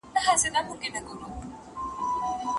ماهر به ساعت ته ځير وي.